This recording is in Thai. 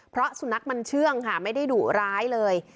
เพราะสุนัขมันเชื่องค่ะไม่ได้ดุร้ายเลย